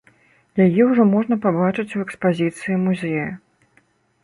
Яе ўжо можна пабачыць у экспазіцыі музея.